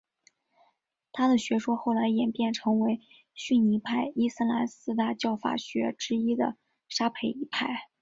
他的学说后来演变成为逊尼派伊斯兰四大教法学之一的沙斐仪派。